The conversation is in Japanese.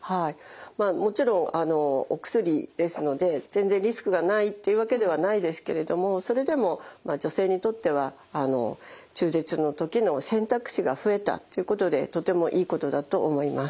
もちろんお薬ですので全然リスクがないというわけではないですけれどもそれでも女性にとっては中絶の時の選択肢が増えたということでとてもいいことだと思います。